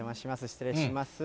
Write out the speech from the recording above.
失礼します。